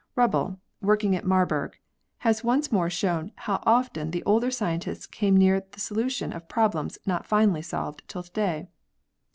Rubbel, working at Marburg, has once more shown how often the older scientists came near to the solution of problems not finally solved till to day.